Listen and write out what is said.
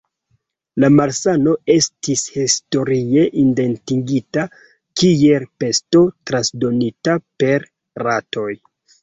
La malsano estis historie identigita kiel pesto transdonita per ratoj.